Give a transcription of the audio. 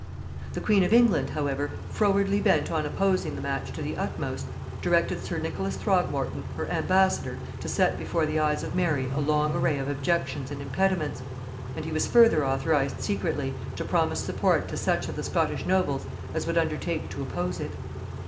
The queen of England, however, frowardly bent on opposing the match to the utmost, directed sir Nicholas Throgmorton, her ambassador, to set before the eyes of Mary a long array of objections and impediments; and he was further authorized secretly to promise support to such of the Scottish nobles as would undertake to oppose it.